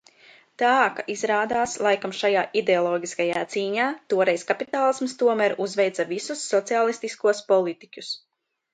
Tā ka, izrādās, laikam šajā ideoloģiskajā cīņā toreiz kapitālisms tomēr uzveica visus sociālistiskos politiķus.